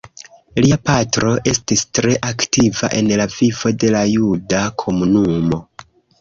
Lia patro estis tre aktiva en la vivo de la juda komunumo.